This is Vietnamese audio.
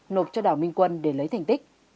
nộp cho đào minh quân để lấy thành tích